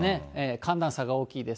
寒暖差が大きいです。